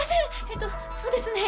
えっとそうですね